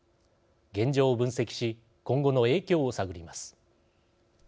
現状を分析し今後の影響を探ります。